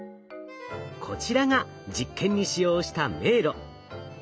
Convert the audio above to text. こちらが実験に使用した迷路。